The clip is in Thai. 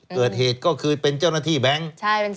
เกิดเหตุก็คือเป็นเจ้าหน้าที่แบงค์